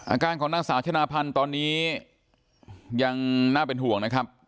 อาการของนางสาวชนะพันธ์ตอนนี้ยังน่าเป็นห่วงนะครับ